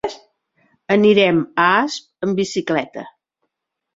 Anirem a Asp amb bicicleta.